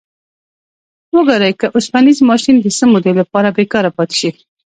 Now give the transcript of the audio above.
وګورئ که اوسپنیز ماشین د څه مودې لپاره بیکاره پاتې شي.